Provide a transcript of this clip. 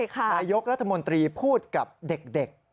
นายกรัฐมนตรีพูดกับเด็ก